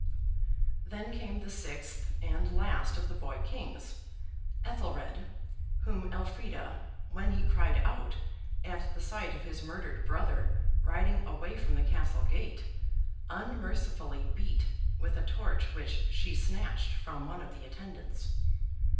Then came the sixth and last of the boy kings, Ethelred, whom Elfrida, when he cried out at the sight of his murdered brother riding away from the castle gate, unmercifully beat with a torch which she snatched from one of the attendants.